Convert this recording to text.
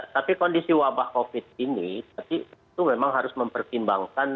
tapi kondisi wabah covid ini itu memang harus mempertimbangkan